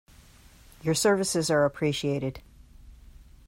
Your services are appreciated.